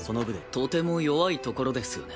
とても弱いところですよね。